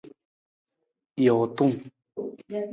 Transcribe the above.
Jootung.